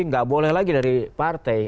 nggak boleh lagi dari partai